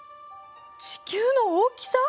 地球の大きさ！？